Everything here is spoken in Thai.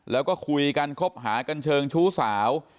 แล้วก็คุยกันคบหากันเชิงชู้สาว